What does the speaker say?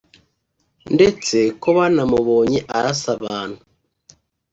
ndetse ko banamubonye arasa abantu